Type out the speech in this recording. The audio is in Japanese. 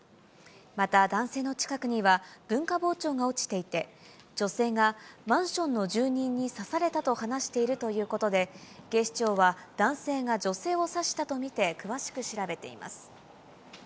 また男性の近くには、文化包丁が落ちていて、女性がマンションの住人に刺されたと話しているということで、警視庁は男性が女性を刺したと見て詳しく調べています。